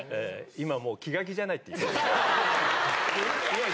今もう、気が気じゃないって言ってます。